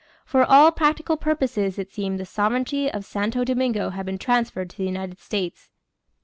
For all practical purposes, it seemed, the sovereignty of Santo Domingo had been transferred to the United States.